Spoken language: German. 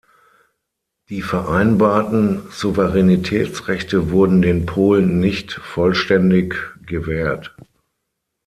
Die vereinbarten Souveränitätsrechte wurden den Polen nicht vollständig gewährt.